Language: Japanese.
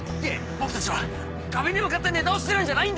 僕たちは壁に向かってネタをしてるんじゃないんだよ。